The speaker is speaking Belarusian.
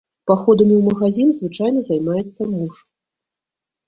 Паходамі ў магазін звычайна займаецца муж.